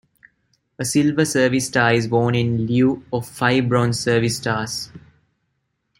A silver service star is worn in lieu of five bronze service stars.